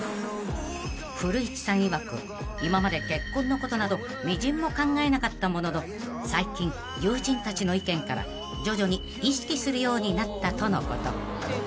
［古市さんいわく今まで結婚のことなどみじんも考えなかったものの最近友人たちの意見から徐々に意識するようになったとのこと］